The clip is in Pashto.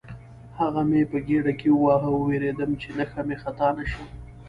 هغه مې په ګېډه کې وواهه، وېرېدم چې نښه مې خطا نه شي.